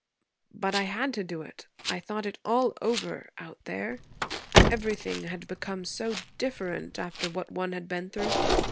But I had to do it. I thought it all over out there. Everything had become so different after what one had been through.